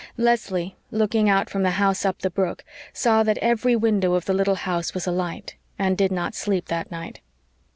Leslie, looking out from the house up the brook, saw that every window of the little house was alight, and did not sleep that night.